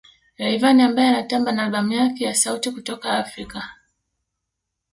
Rayvanny ambaye anatamba na albamu yake ya sauti kutoka Afrika